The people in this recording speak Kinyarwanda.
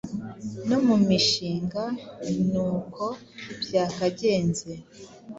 No mu mishinga ni uko byakagenze.